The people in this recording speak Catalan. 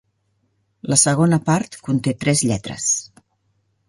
La segona part conté tres lletres.